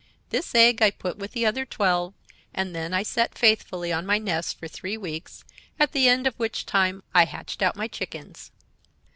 This egg I put with the other twelve, and then I set faithfully on my nest for three weeks, at the end of which time I hatched out my chickens.